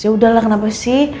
yaudahlah kenapa sih